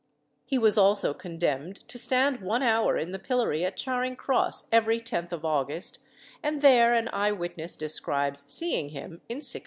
He was also condemned to stand one hour in the pillory at Charing Cross every 10th of August, and there an eye witness describes seeing him in 1688.